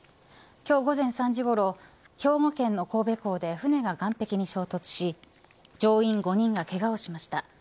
今日、午前３時ごろ兵庫県の神戸港で船が岸壁に衝突し乗員５人がけがをしました。